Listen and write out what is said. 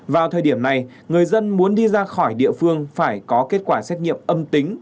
vào thời điểm này người dân muốn đi ra khỏi địa phương phải có kết quả xét nghiệm âm tính